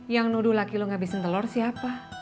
yang nuduh laki lu ngabisin telur siapa